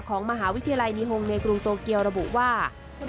ของมหาวิทยาลัยนิฮงในกรุงโตเกียวระบุว่า